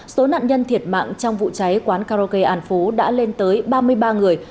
số nạn nhân thiệt mạng trong vụ cháy quán karaoke an phú đã lên tới ba mươi ba người